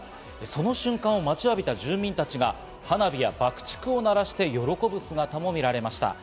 その瞬間を待ちわびた住民たちが花火や爆竹を鳴らして喜ぶ姿も見られました。